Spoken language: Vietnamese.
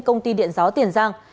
công ty điện giáo tiền giang